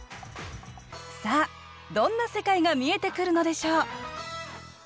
さあどんな世界が見えてくるのでしょう